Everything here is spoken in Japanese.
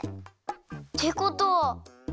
ってことは。